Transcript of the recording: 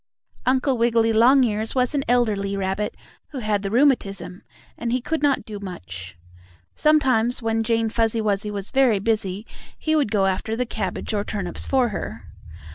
Uncle Wiggily Longears was an elderly rabbit, who had the rheumatism, and he could not do much. Sometimes when Jane Fuzzy Wuzzy was very busy he would go after the cabbage or turnips for her.